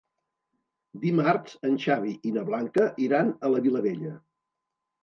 Dimarts en Xavi i na Blanca iran a la Vilavella.